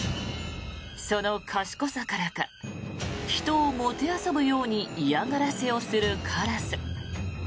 その賢さからか人をもてあそぶように嫌がらせをするカラス。